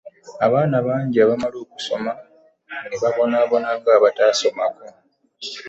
abaana bangi abamala okusoma 'ebabonabona nga abatasomangako